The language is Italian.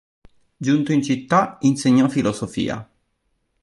Giunto in città insegnò filosofia.